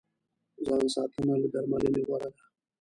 ځان ساتنه له درملنې غوره ده.